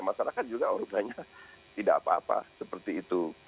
masyarakat juga orang tanya tidak apa apa seperti itu